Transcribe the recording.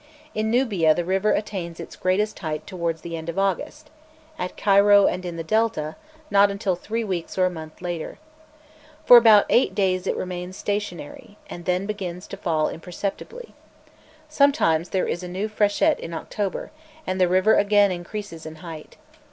In Nubia the river attains its greatest height towards the end of August; at Cairo and in the Delta not until three weeks or a month later. For about eight days it remains stationary, and then begins to fall imperceptibly. Sometimes there is a new freshet in October, and the river again increases in height.